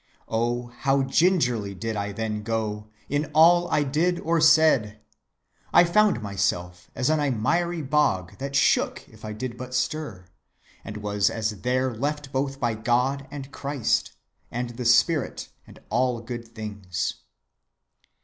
Oh, how gingerly did I then go, in all I did or said! I found myself as on a miry bog that shook if I did but stir; and was as there left both by God and Christ, and the spirit, and all good things.